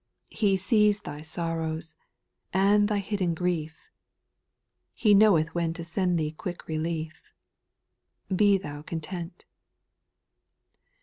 He sees thy sorrows, and thy hidden grief, He knoweth when to send thee quick relief. Be thou content.